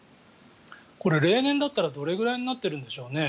これ、例年だったらどれくらいになってるんでしょうね。